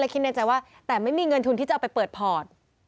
คิดในใจว่าแต่ไม่มีเงินทุนที่จะเอาไปเปิดพอร์ต